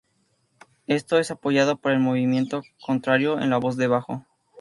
Esto es apoyado por el movimiento contrario en la voz de bajo.